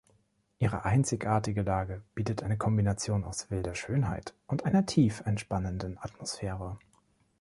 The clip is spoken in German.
Ihre einzigartige Lage bietet eine Kombination aus wilder Schönheit und einer tief entspannenden Atmosphäre.